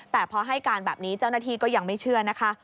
แต่พอให้การแบบนี้เจ้าหน้าที่ก็ยังไม่เชื่อนะคะ